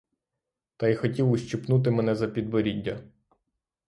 Та й хотів ущипнути мене за підборіддя.